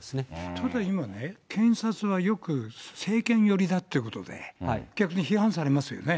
ちょうど今ね、検察はよく政権寄りだということで、逆に批判されますよね。